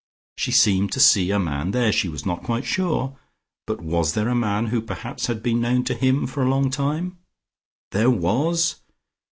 She seemed to see a man there; she was not quite sure, but was there a man who perhaps had been known to him for a long time? There was.